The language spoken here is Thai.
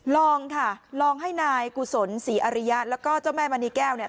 ลองค่ะลองให้นายกุศลศรีอริยะแล้วก็เจ้าแม่มณีแก้วเนี่ย